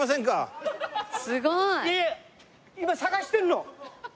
今探してるの。